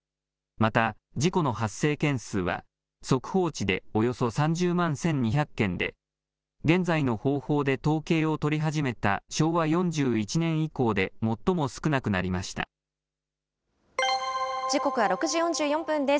また、事故の発生件数は、速報値でおよそ３０万１２００件で、現在の方法で統計を取り始めた昭和４１年以降で最も少なくなりま時刻は６時４４分です。